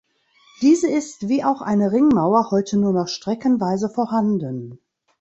Diese ist wie auch eine Ringmauer heute nur noch streckenweise vorhanden.